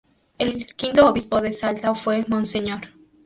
El quinto obispo de Salta fue Mons.